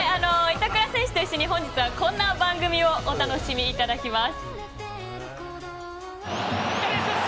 板倉選手と一緒に本日はこんな番組をお楽しみいただきます。